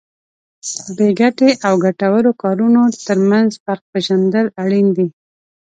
بې ګټې او ګټورو کارونو ترمنځ فرق پېژندل اړین دي.